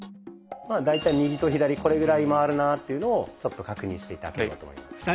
まあ大体右と左これぐらい回るなぁっていうのをちょっと確認して頂ければと思います。